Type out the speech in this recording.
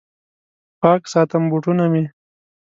پاک ساتم بوټونه مې